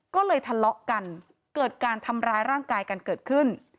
ก็เลยทะเลาะกันเกิดการทำร้ายร่างกายกันเกิดขึ้น